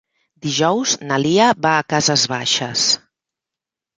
Dijous na Lia va a Cases Baixes.